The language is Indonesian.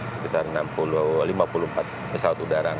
sekitar lima puluh lima puluh pesawat udara